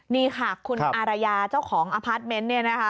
นี่ค่ะคุณอารยาเจ้าของอพาร์ทเมนต์